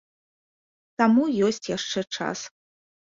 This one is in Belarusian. Таму ёсць яшчэ час.